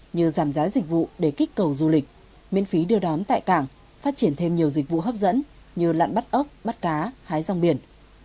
như giảm giá dịch vụ để kích cầu du lịch miễn phí đưa đón tại cảng phát triển thêm nhiều dịch vụ hấp dẫn như lặn bắt ốc bắt cá hái rong biển